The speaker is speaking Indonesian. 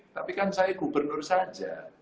tapi kan saya gubernur saja